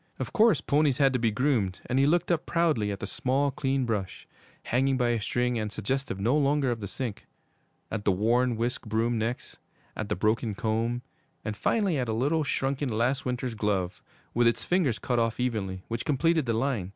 Of course ponies had to be groomed, and he looked up proudly at the small, clean brush, hanging by a string and suggestive no longer of the sink; at the worn whisk broom next; at the broken comb; and finally at a little, shrunken last winter's glove, with its fingers cut off evenly, which completed the line.